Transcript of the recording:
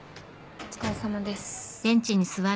お疲れさまです。